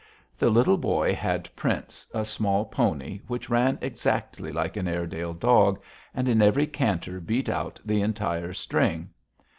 The Little Boy had Prince, a small pony which ran exactly like an Airedale dog, and in every canter beat out the entire string.